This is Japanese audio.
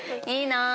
いいな。